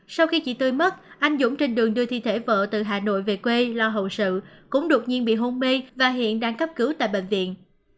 sau khi chị tươi mất anh dũng trên đường đưa thi thể vợ từ hà nội về quê lo hậu sự cũng đột nhiên bị hôn mê và hiện đang cấp cứu tại bệnh viện